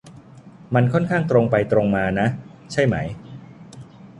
มันค่อนข้างตรงไปตรงมานะ ใช่ไหม